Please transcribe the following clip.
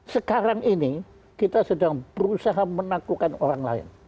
sekarang ini kita sedang berusaha menaklukkan orang lain